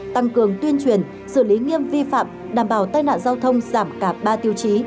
tăng cường tuyên truyền xử lý nghiêm vi phạm đảm bảo tai nạn giao thông giảm cả ba tiêu chí